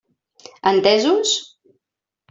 Entesos?